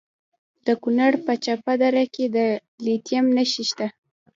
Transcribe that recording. د کونړ په چپه دره کې د لیتیم نښې شته.